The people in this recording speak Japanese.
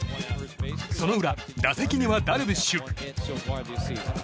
その裏、打席にはダルビッシュ。